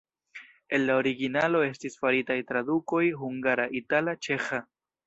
El la originalo estis faritaj tradukoj hungara, itala, ĉeĥa.